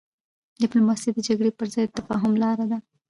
ډيپلوماسي د جګړې پر ځای د تفاهم لاره ده.